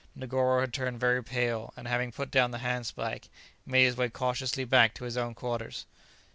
Negoro had turned very pale, and having put down the handspike, made his way cautiously back to his own quarters.